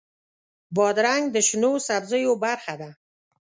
بادرنګ د شنو سبزیو برخه ده.